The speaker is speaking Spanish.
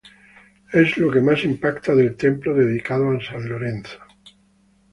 Es lo que más impacta del templo dedicado a San Lorenzo.